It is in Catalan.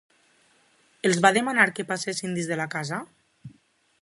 Els va demanar que passessin dins de la casa?